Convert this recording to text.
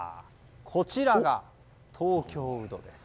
こちらが東京ウドです。